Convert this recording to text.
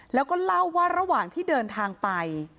แล้วก็เล่าว่าระหว่างที่เดินทางไป